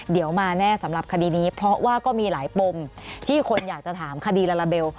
เดี๋ยวมาแน่สำหรับคดีนี้เพราะว่าก็มีหลายปมที่คนอยากจะถามคดีลาลาเบล